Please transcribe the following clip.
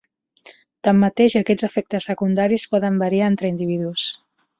Tanmateix aquests efectes secundaris poden variar entre individus.